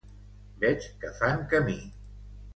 Veig que fan camí.